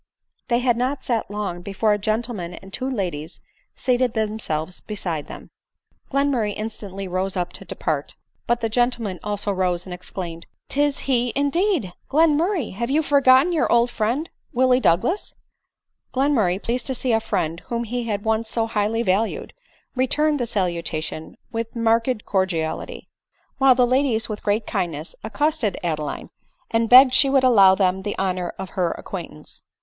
They had not sat long before a gentleman and two ladies seat ed themselves beside them. Glenmurray instantly rose up to depart ; but the gen tleman also rose and exclaimed, " 'Tis he indeed ! Glen murray, have you forgotten your old friend Willie Douglas ?" 99 ADELINE MOWBRAY. Glenmurray, pleased to see a friend whom he had once so highly valued, returned the salutation with marked cordiality ; while the ladies with great kindness accosted Adeline, and begged she would allow them the honor of her acquaintance.